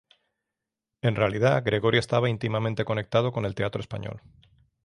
En realidad, Gregorio estaba íntimamente conectado con el teatro español.